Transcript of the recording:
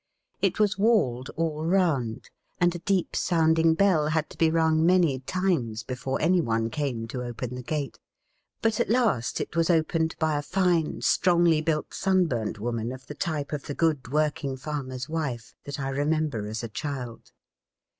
It was walled all round, and a deep sounding bell had to be rung many times before any one came to open the gate; but at last it was opened by a fine, strongly built, sunburnt woman of the type of the good working farmer's wife, that I remember as a child.